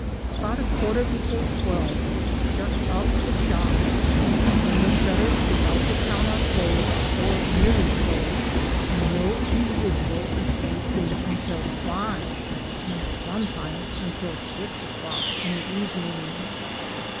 About a quarter before twelve they shut up the shops, tl^e window shutters throughout the tpwn are closed, or nearly so, and no individual is to be seen until five, and sometixnes until six o^clock, in the evening.